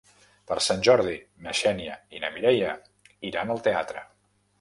Per Sant Jordi na Xènia i na Mireia iran al teatre.